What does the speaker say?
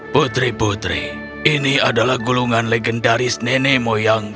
putri putri ini adalah gulungan legendaris nenek moyang